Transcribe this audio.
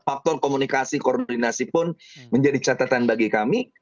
faktor komunikasi koordinasi pun menjadi catatan bagi kami